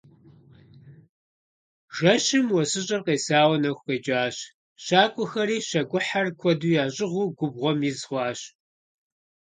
Жэщым уэсыщӀэр къесауэ нэху къекӀащ, щакӀуэхэри, щакӀухьэхэр куэду ящӀыгъуу, губгъуэм из хъуащ.